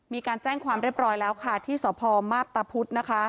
มีการแจ้งความเรียบร้อยแล้วค่ะที่สพมาพตะพุธนะคะ